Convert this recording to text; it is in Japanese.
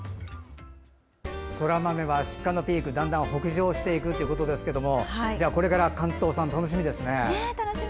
そら豆は出荷のピークだんだん北上していくということですがじゃあこれから関東産楽しみですね。